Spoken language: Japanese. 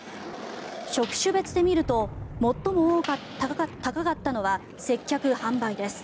職種別で見ると最も高かったのは接客・販売です。